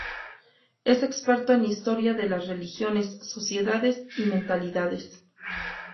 Es experto en historia de las religiones, sociedades y mentalidades.